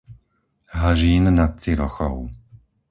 Hažín nad Cirochou